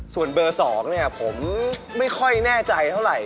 ส่วนเบอร์๒ผมไม่ค่อยแน่ใจเท่าไหร่